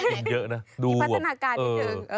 มีพัฒนาการนิดนึง